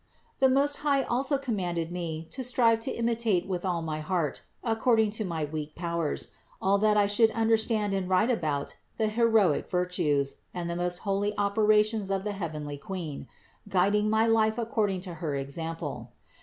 31. The Most High also commanded me to strive to imitate with all my heart, according to my weak powers, all that I should understand and write about the heroic virtues and the most holy operations of the heavenly Queen, guiding my life according to her example.